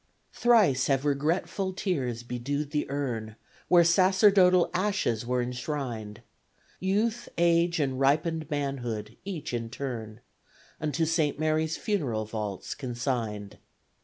Thrice, have regretful tears bedewed the urn Where sacerdotal ashes were enshrined; Youth, age and ripen'd manhood, each in turn, Unto Saint Mary's funeral vaults consigned.